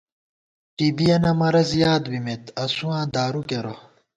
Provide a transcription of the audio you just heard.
ٹِبِیَنہ مَرَض یاد بِمېت ، اسُواں دارُو کېرہ